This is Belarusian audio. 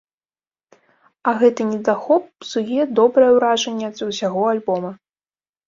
А гэты недахоп псуе добрае ўражанне ад усяго альбома.